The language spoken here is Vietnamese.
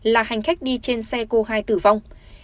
là hành khách đi trên xe cô hai tử vong